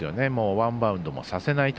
ワンバウンドもさせないと。